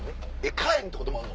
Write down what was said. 買えへんってこともあんの？